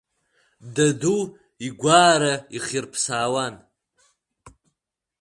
Даду игәаара ихирԥсаауан.